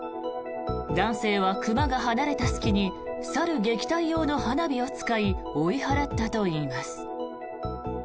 男性は熊が離れた隙に猿撃退用の花火を使い追い払ったといいます。